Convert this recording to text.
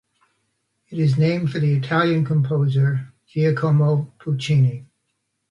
It is named for the Italian composer Giacomo Puccini.